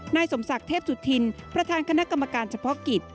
นายสมศักดิ์เทพสุธินประธานคณะกรรมการเฉพาะกิจ